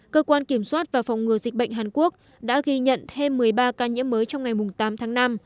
cơ quan kiểm soát và phòng ngừa dịch bệnh hàn quốc đã ghi nhận thêm một mươi ba ca nhiễm mới trong ngày tám tháng năm